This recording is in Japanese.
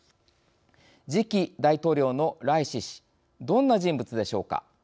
次期大統領のライシ師どんな人物でしょうか。